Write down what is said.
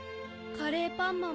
カレーパンマン！